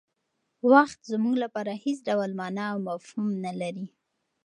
وخت زموږ لپاره هېڅ ډول مانا او مفهوم نه لري.